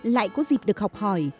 lại có dịp được học hỏi